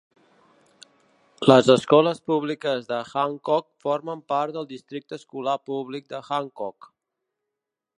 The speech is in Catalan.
Les escoles públiques de Hancock formen part del districte escolar públic de Hancock.